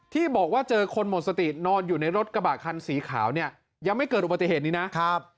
ที่บอกว่าเจอคนหมดสตินอนอยู่ในรถกระบะคันสีขาวเนี่ยยังไม่เกิดอุบัติเหตุนี้นะครับ